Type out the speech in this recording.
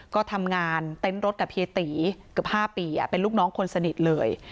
ก็ทำงานเต็นต์รถกับเฮียตีเกือบ๕ปีเป็นลูกน้องคนสนิทเลย